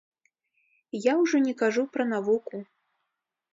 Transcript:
Я ўжо не кажу пра навуку.